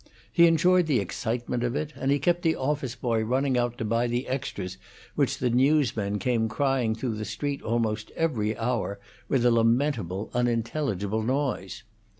He enjoyed the excitement of it, and he kept the office boy running out to buy the extras which the newsmen came crying through the street almost every hour with a lamentable, unintelligible noise.